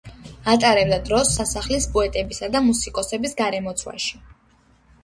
ატარებდა დროს სასახლის პოეტებისა და მუსიკოსების გარემოცვაში.